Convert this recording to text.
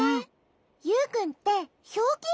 ユウくんってひょうきんなこなの？